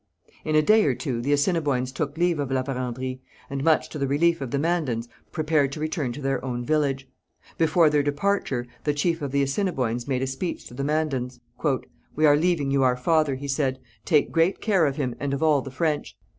In a day or two the Assiniboines took leave of La Vérendrye, and, much to the relief of the Mandans, prepared to return to their own village. Before their departure, the chief of the Assiniboines made a speech to the Mandans. 'We are leaving you our father,' he said. 'Take great care of him, and of all the French.